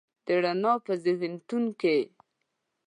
د رڼا په زیږنتون کې